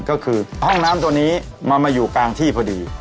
ก็คือห้องน้ำตัวนี้มันมาอยู่กลางที่พอดี